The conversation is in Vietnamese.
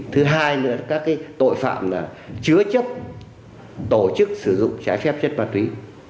thứ hai nữa là các tội phạm chứa chấp tổ chức sử dụng trái phép chất ma túy